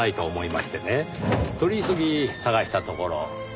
取り急ぎ捜したところ。